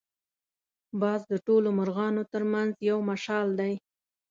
باز د ټولو مرغانو تر منځ یو مشال دی